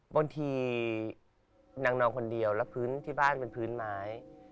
บางทีนางนอนคนเดียวแล้วพื้นที่บ้านเป็นพื้นไม้